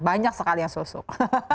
banyak sekali yang sosok